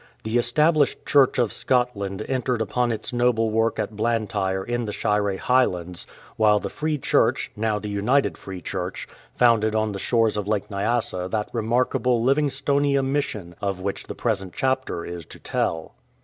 The Established Church of Scotland entered upon its noble work at Blantyre in the Shire Highlands, while the Free Church (now the United Free Church) founded on the shores of Lake Nyasa that remarkable Livingstonia Mission of which the present chapter is to tell.